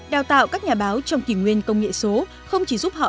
đào tạo các nhà báo trong kỷ nguyên công nghệ số không chỉ giúp họ